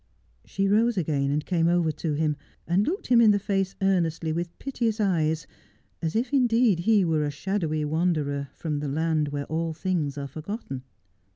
She rose again and came over to him, and looked him in the fae.e earnestly, with piteous eyes, as if indeed he were a shadowy wanderer from the land where all things are forgotten.